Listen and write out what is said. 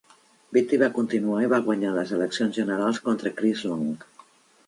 Beatty va continuar i va guanyar les eleccions generals contra Chris Long.